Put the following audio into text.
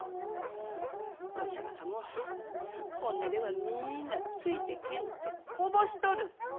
お医者方も本音では皆ついてけんってこぼしとるって。